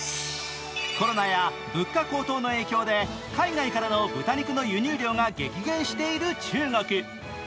コロナや物価高騰の影響で海外からの豚肉の輸入量が激減している中国。